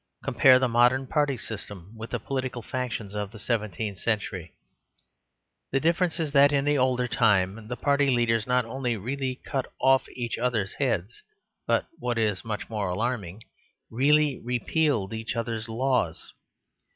Compare the modern Party System with the political factions of the seventeenth century. The difference is that in the older time the party leaders not only really cut off each other's heads, but (what is much more alarming) really repealed each other's laws.